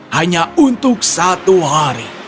hanya untuk satu hari